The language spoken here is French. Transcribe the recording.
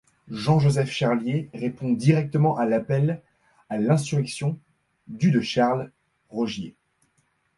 Jean-Joseph Charlier répond directement à l'appel à l’insurrection du de Charles Rogier.